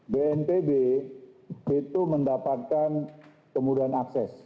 bnpb itu mendapatkan kemudahan akses